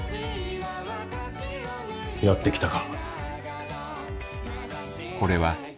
やってきたか。